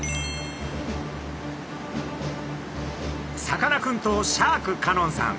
さかなクンとシャーク香音さん